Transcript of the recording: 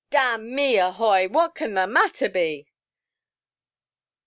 Damme! Ahoy! What can the matter be?"